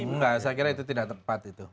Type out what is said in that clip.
enggak saya kira itu tidak tepat itu